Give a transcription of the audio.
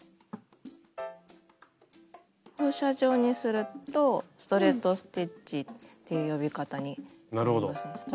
放射状にするとストレート・ステッチっていう呼び方になりますね。